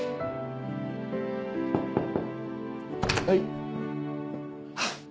はい。